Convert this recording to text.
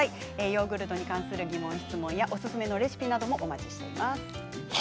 ヨーグルトに関する疑問、質問おすすめのレシピなどもお待ちしています。